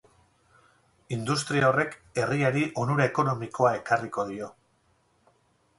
Industria horrek herriari onura ekonomikoa ekarriko dio.